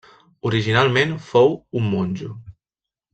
Originalment fou un monjo.